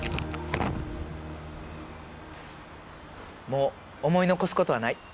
もう思い残すことはない。